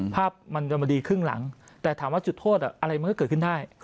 ภาพมันจะมาดีครึ่งหลังแต่ถามว่าจุดโทษอะไรมันก็เกิดขึ้นได้